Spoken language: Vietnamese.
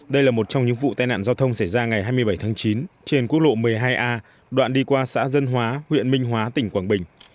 đây là một trong những vụ tai nạn giao thông xảy ra ngày hai mươi bảy tháng chín trên quốc lộ một mươi hai a đoạn đi qua xã dân hóa huyện minh hóa tỉnh quảng bình